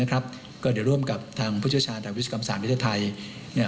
ก็เดี๋ยวร่วมกับทางผู้ชื่อชาญทางวิศกรรมศาลเมืองไทย